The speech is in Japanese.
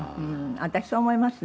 私そう思いますね。